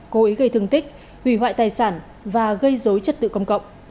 cố ý gây thương tích hủy hoại tài sản và gây dấu chất tự công cộng